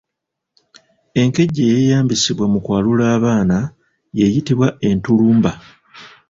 Enkejje eyeeyambisibwa mu kwalula abaana y’eyitibwa Entulumba.